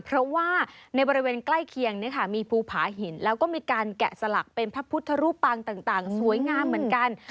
เพราะว่าในบริเวณใกล้เคียงมีภูผาหินแล้วก็มีการแกะสลักเป็นพระพุทธรูปปางต่างสวยงามเหมือนกัน